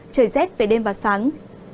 trời rét về đêm và sáng